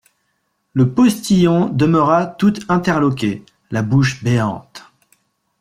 Le postillon demeura tout interloqué, la bouche béante.